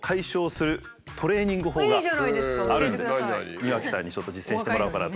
庭木さんにちょっと実践してもらおうかなと。